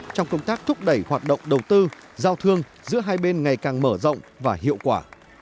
trong công tác thúc đẩy hoạt động đầu tư giao thương giữa hai bên ngày càng mở rộng và hiệu quả